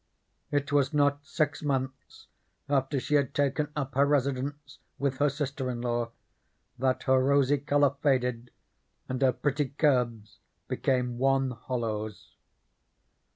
It was not six months after she had taken up her residence with her sister in law that her rosy colour faded and her pretty curves became wan hollows.